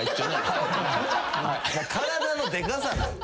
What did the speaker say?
体のでかさなん？